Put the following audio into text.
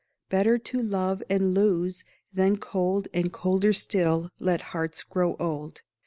"Better to love and lose" than cold, And colder still, let hearts grow old.